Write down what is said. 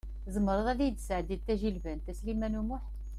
Tzemreḍ i yi-d-tesɛeddiḍ tajilbant, a Sliman U Muḥ?